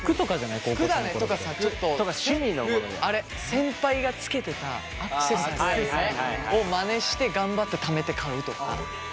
先輩がつけてたアクセサリーをまねして頑張ってためて買うとか。